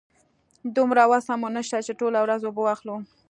دومره وسه مو نشته چې ټوله ورځ اوبه واخلو.